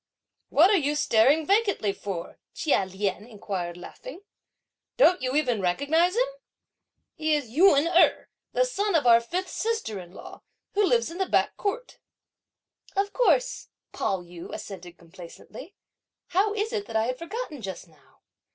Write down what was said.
"What are you staring vacantly for?" Chia Lien inquired laughing. "Don't you even recognise him? He's Yün Erh, the son of our fifth sister in law, who lives in the back court!" "Of course!" Pao yü assented complacently. "How is it that I had forgotten just now!"